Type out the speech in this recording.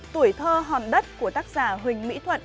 tuổi thơ hòn đất của tác giả huỳnh mỹ thuận